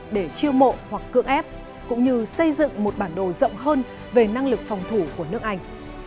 để chiêu mộ hoặc cưỡng ép cũng như xây dựng một bản đồ rộng hơn về năng lực phòng thủ của nước anh